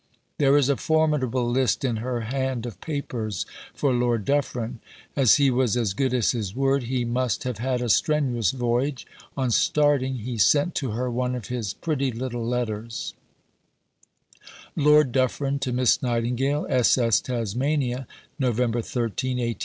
There is a formidable list in her hand of "Papers for Lord Dufferin." As he was as good as his word, he must have had a strenuous voyage. On starting he sent to her one of his pretty little letters: (Lord Dufferin to Miss Nightingale.) S.S. "TASMANIA," Nov. 13 .